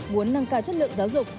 muốn nâng cao chất lượng giáo dục